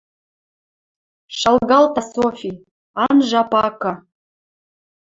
Шалгалта Софи. Анжа пакы